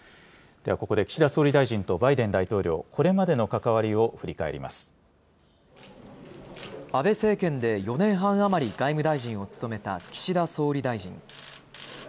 では、ここで岸田総理大臣とバイデン大統領、これまでの関わりを安倍政権で４年半余り外務大臣を務めた岸田総理大臣。